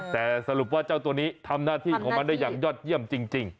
แต่สรุปว่าเจ้าตัวนี้ทำหน้าที่ของมันได้อย่างยอดเยี่ยมจริง